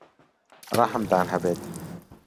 ڕەحمتان هەبێت!